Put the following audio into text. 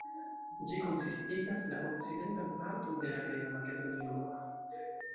Ĝi konsistigas la okcidentan parton de la greka Makedonio.